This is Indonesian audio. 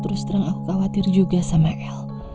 terus terang aku khawatir juga sama el